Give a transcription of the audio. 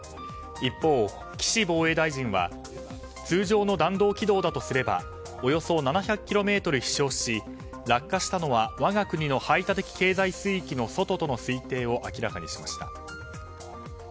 一方、岸防衛大臣は通常の弾道軌道だとすればおよそ７００ｋｍ飛翔し落下したのは我が国の排他的経済水域の外との推定を明らかにしました。